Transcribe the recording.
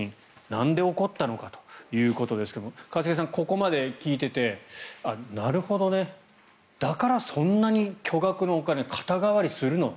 なんで起こったのかということですが一茂さん、ここまで聞いててなるほどねだから、そんなに巨額のお金肩代わりするのと。